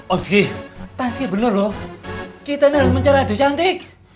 om ski tansky bener loh kita ini harus mencari ade cantik